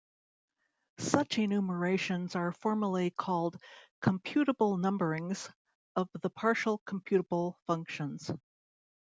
Such enumerations are formally called computable numberings of the partial computable functions.